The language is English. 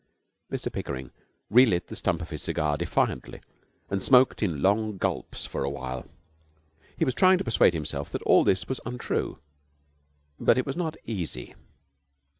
Mr Pickering relit the stump of his cigar defiantly and smoked in long gulps for a while. He was trying to persuade himself that all this was untrue, but it was not easy.